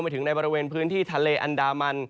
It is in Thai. ถึงในบริเวณพื้นที่ทะเลอันดามัน